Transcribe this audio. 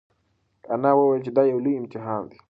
انا وویل چې دا یو لوی امتحان دی.